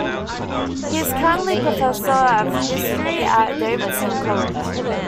He is currently professor of history at Davidson College.